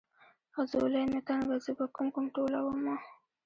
ځولۍ مې تنګه زه به کوم کوم ټولومه.